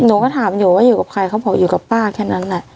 หนูก็ถามอยู่ว่าอยู่กับใครเขาบอกอยู่กับป้าแค่นั้นแหละ